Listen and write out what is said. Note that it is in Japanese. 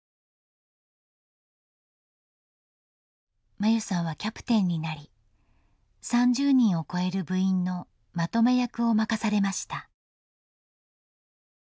真優さんはキャプテンになり３０人を超える部員のまとめ役を任されました。